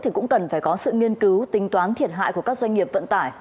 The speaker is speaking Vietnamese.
thì cũng cần phải có sự nghiên cứu tính toán thiệt hại của các doanh nghiệp vận tải